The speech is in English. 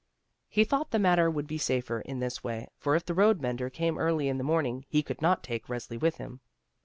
He thought the matter would be safer in this way, for if the road mender came early in the morning he could not take Resli with him.